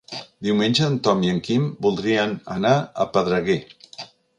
Diumenge en Tom i en Quim voldrien anar a Pedreguer.